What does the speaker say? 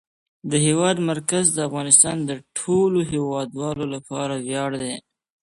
د هېواد مرکز د افغانستان د ټولو هیوادوالو لپاره ویاړ دی.